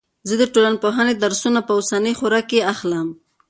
زه د ټولنپوهنې درسونه په اوسنۍ خوره کې اخلم.